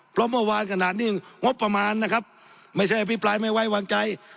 เพราะเมื่อวานขนาดนี้งบประมาณนะครับไม่ใช่อภิปรายไม่ไว้วางใจ